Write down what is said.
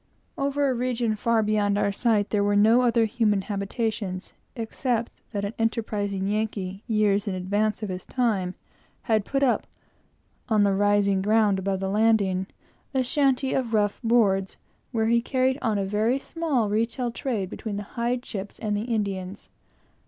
Over a region far beyond our sight there were no other human habitations, except that an enterprising Yankee, years in advance of his time, had put up, on the rising ground above the landing, a shanty of rough boards, where he carried on a very small retail trade between the hide ships and the Indians.